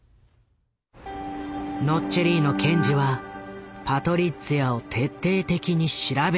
ノッチェリーノ検事はパトリッツィアを徹底的に調べることに。